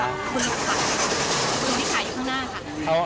คนที่ขายอยู่ข้างหน้าค่ะ